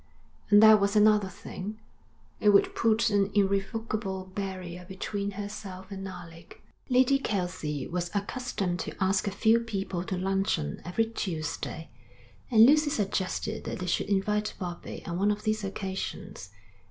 And there was another thing: it would put an irrevocable barrier between herself and Alec. Lady Kelsey was accustomed to ask a few people to luncheon every Tuesday, and Lucy suggested that they should invite Bobbie on one of these occasions.